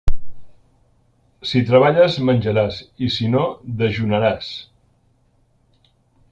Si treballes, menjaràs; i si no, dejunaràs.